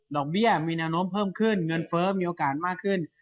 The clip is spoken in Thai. เบี้ยมีแนวโน้มเพิ่มขึ้นเงินเฟ้อมีโอกาสมากขึ้น